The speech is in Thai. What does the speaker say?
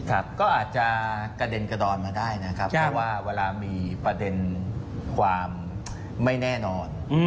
ครับก็อาจจะกระเด็นกระดอนมาได้นะครับเพราะว่าเวลามีประเด็นความไม่แน่นอน